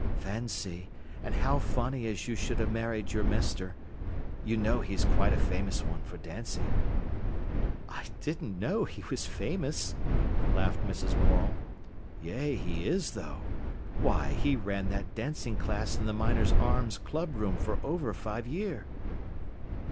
"Fancy! An' how funny as you should ha' married your Mester. You know he's quite a famous one for dancing." "I didn't know he was famous," laughed Mrs. Morel. "Yea, he is though! Why, he ran that dancing class in the Miners' Arms club room for over five year."